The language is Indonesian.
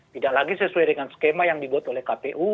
tidak lagi sesuai dengan skema yang dibuat oleh kpu